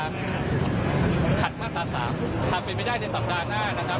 ขัดมาตรา๓หากเป็นไปได้ในสัปดาห์หน้านะครับ